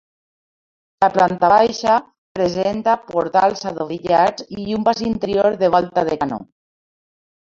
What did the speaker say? La planta baixa presenta portals adovellats i un pas interior de volta de canó.